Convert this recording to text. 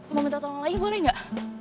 mau minta tolong lagi boleh nggak